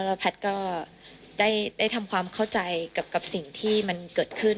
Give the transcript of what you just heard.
แล้วแพทย์ก็ได้ทำความเข้าใจกับสิ่งที่มันเกิดขึ้น